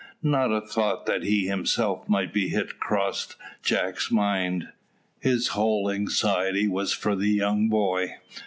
Not a thought that he himself might be hit crossed Jack's mind. His whole anxiety was for the young boy.